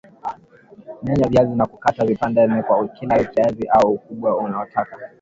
Menya viazi na kukata vipande nne kwa kila kiazi au ukubwa unaotaka